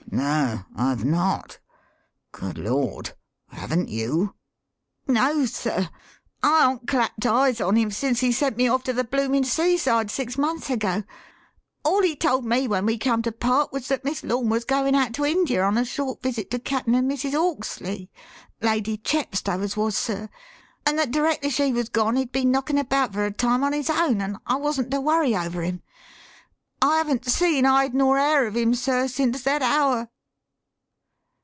"No, I've not. Good Lord! haven't you?" "No, sir. I aren't clapped eyes on him since he sent me off to the bloomin' seaside six months ago. All he told me when we come to part was that Miss Lorne was goin' out to India on a short visit to Cap'n and Mrs. 'Awksley Lady Chepstow as was, sir and that directly she was gone he'd be knockin' about for a time on his own, and I wasn't to worry over him. I haven't seen hide nor hair of him, sir, since that hour."